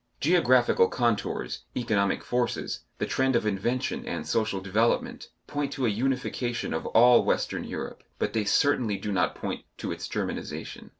Geographical contours, economic forces, the trend of invention and social development, point to a unification of all Western Europe, but they certainly do not point to its Germanization.